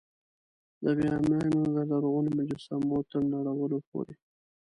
د بامیان د لرغونو مجسمو تر نړولو پورې.